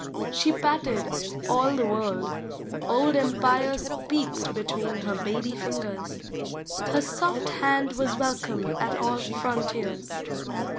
She patted all the world; old empires j>eeped Between her baby Augers; her soft hand Was welcome at all frontiers.